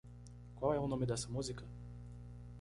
Qual é o nome dessa música?